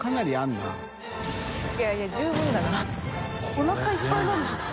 おなかいっぱいになるじゃん。